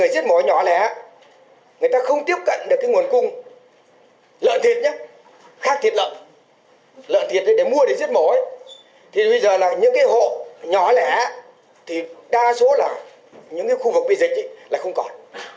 các cơ sở giết mổ nhỏ lẻ đa số là những khu vực bị dịch là không còn